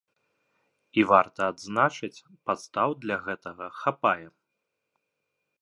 І варта адзначыць, падстаў для гэтага хапае.